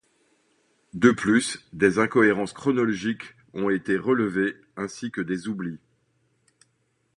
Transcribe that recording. De plus, des incohérences chronologiques ont été relevées ainsi que des oublis.